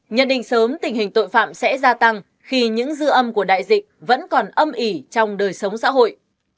nhận định sớm tình hình tội phạm sẽ gia tăng khi những dư âm của đại dịch vẫn còn âm ỉ trong đời sống xã hội